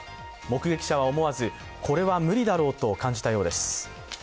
目撃者は思わず、これは無理だろうと感じたようです。